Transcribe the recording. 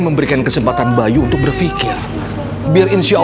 memberikan kesempatan bayu untuk berpikir biar insyaallah